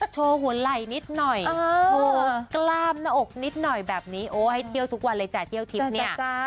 โชว์หัวไหล่นิดหน่อยโชว์กล้ามหน้าอกนิดหน่อยแบบนี้โอ้ให้เที่ยวทุกวันเลยจ้ะเที่ยวทิพย์เนี่ย